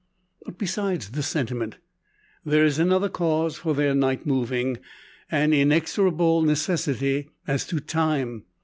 But besides the sentiment, there is another cause for their night moving an inexorable necessity as to time.